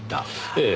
ええ。